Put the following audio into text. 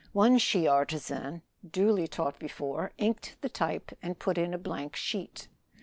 One she artisan, duly taught before, inked the type and put in a blank sheet.